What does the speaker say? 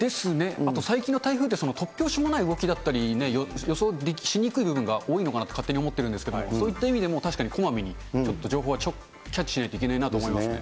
あと最近の台風って、突拍子もない動きだったり、予想しにくい部分が多いのかなって勝手に思ってるんですけれども、そういった意味でも、確かにこまめに、ちょっと、情報はキャッチしないといけないと思いますね。